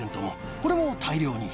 これも大量に。